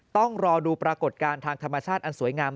ต้องรอดูปรากฏการณ์ทางธรรมชาติอันสวยงาม